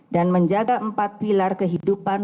dan menjaga empat pilar kehidupan